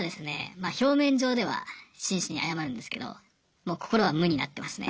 まあ表面上では真摯に謝るんですけどもう心は無になってますね。